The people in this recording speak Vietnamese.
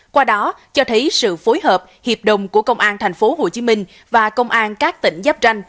qua đó cho thấy sự phối hợp hiệp đồng của công an tp hcm và công an các tỉnh giáp tranh